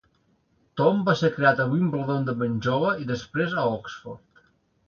Tom va ser criat a Wimbledon de ben jove i després a Oxford.